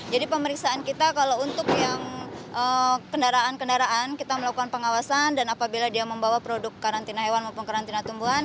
jadi pemeriksaan kita kalau untuk yang kendaraan kendaraan kita melakukan pengawasan dan apabila dia membawa produk karantina hewan maupun karantina tumbuhan